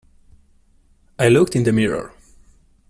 I looked in the mirror.